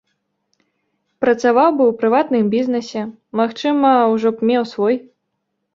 Працаваў бы ў прыватным бізнесе, магчыма, ужо б меў свой.